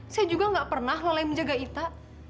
saya juga nggak pernah lalai menjaga ita